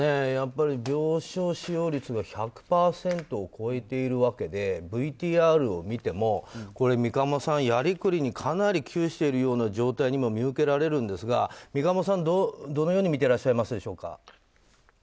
病床使用率が１００％を超えているわけでＶＴＲを見ても、三鴨さんやりくりにかなり窮しているような状態にも見受けられるんですが三鴨さん、どのように見ていらっしゃいますか。